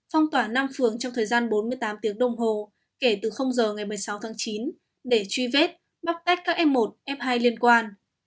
phong tỏa năm phường trong thời gian bốn mươi tám tiếng đồng hồ kể từ giờ ngày một mươi sáu tháng chín để truy vết bóc tách các f một f hai liên quan